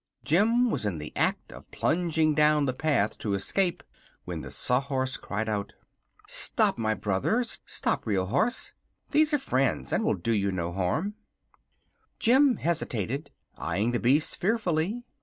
Jim was in the act of plunging down the path to escape when the Sawhorse cried out: "Stop, my brother! Stop, Real Horse! These are friends, and will do you no harm." Jim hesitated, eyeing the beasts fearfully.